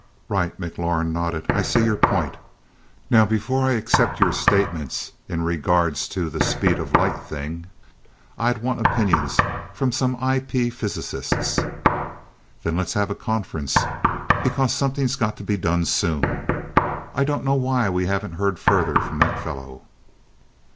"Right." McLaurin nodded. "I see your point. Now before I'd accept your statements in re the 'speed of light' thing, I'd want opinions from some IP physicists." "Then let's have a conference, because something's got to be done soon. I don't know why we haven't heard further from that fellow."